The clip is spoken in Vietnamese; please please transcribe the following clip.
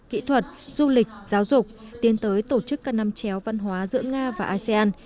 kỹ thuật du lịch giáo dục tiến tới tổ chức các năm chéo văn hóa giữa nga và asean